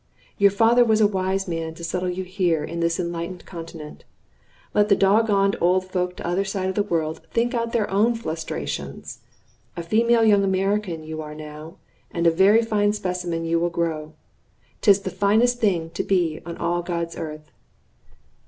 Your father was a wise man to settle you here in this enlightened continent. Let the doggoned old folk t'other side of the world think out their own flustrations. A female young American you are now, and a very fine specimen you will grow. 'Tis the finest thing to be on all God's earth."